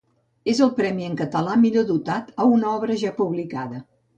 És el premi en català millor dotat a una obra ja publicada.